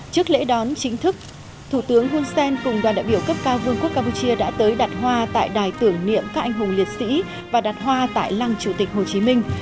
trước lễ đón chính thức thủ tướng hun sen cùng đoàn đại biểu cấp cao vương quốc campuchia đã tới đặt hoa tại đài tưởng niệm các anh hùng liệt sĩ và đặt hoa tại lăng chủ tịch hồ chí minh